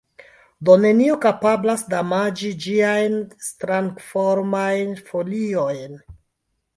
Do, nenio kapablas damaĝi ĝiajn strangformajn foliojn.